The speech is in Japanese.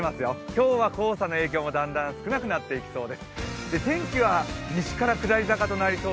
今日は黄砂の影響もだんだん少なくなっていきそう。